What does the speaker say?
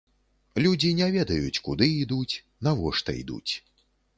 Людзі не ведаюць, куды ідуць, навошта ідуць.